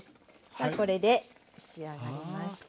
さあこれで仕上がりました。